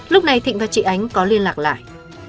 lúc này thịnh và chị ánh có liên lạc lại